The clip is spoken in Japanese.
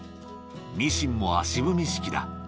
ミシンも足踏み式だ。